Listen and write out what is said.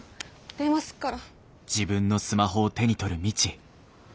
電話すっから！